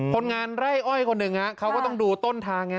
คนงานไร่อ้อยคนหนึ่งเขาก็ต้องดูต้นทางไง